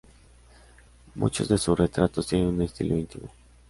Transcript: Muchos de sus retratos tienen un estilo íntimo.